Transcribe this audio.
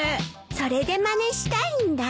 それでまねしたいんだ。